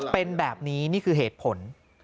เป็นแบบนี้นี่คือเหตุผล